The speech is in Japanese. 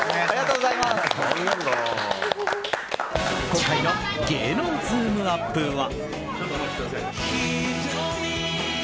今回の芸能ズームＵＰ！は。